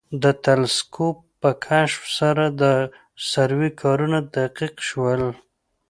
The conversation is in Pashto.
د تلسکوپ په کشف سره د سروې کارونه دقیق شول